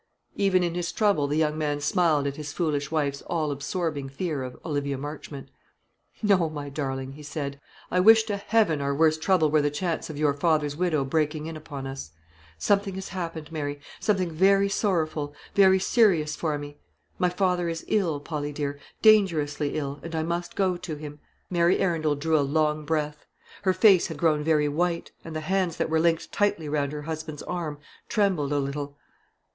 Even in his trouble the young man smiled at his foolish wife's all absorbing fear of Olivia Marchmont. "No, my darling," he said; "I wish to heaven our worst trouble were the chance of your father's widow breaking in upon us. Something has happened, Mary; something very sorrowful, very serious for me. My father is ill, Polly dear, dangerously ill, and I must go to him." Mary Arundel drew a long breath. Her face had grown very white, and the hands that were linked tightly round her husband's arm trembled a little.